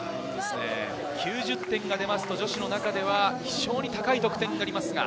９０点が出ると女子の中では非常に高い得点になります。